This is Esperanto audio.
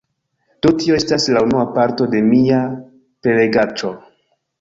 Do tio estas la unua parto de mia prelegaĉo